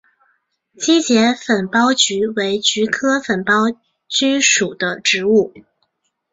基节粉苞菊为菊科粉苞苣属的植物。